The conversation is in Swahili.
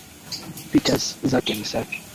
Picha zake ni safi